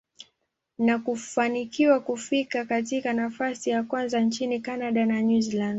na kufanikiwa kufika katika nafasi ya kwanza nchini Canada na New Zealand.